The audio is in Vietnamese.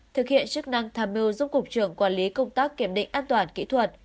thực hiện chức năng tham mưu giúp cục trưởng quản lý công tác kiểm định an toàn kỹ thuật